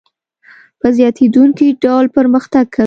په زیاتېدونکي ډول پرمختګ کوي